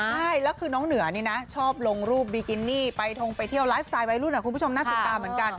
ใช่แล้วคือน้องเหนือนี่นะชอบลงรูปบิกินี่ไปทงไปเที่ยวไลฟ์สไตล์วัยรุ่นคุณผู้ชมน่าติดตามเหมือนกัน